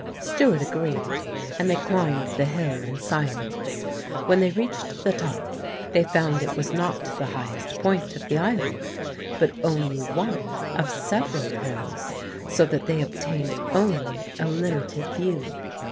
Stewart agreed, and they climbed the hill in silence. When they reached the top they found it was not the highest point of the island, but only one of several hills, so that they obtained only a limited view.